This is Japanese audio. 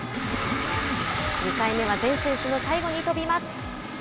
２回目は全選手の最後に飛びます。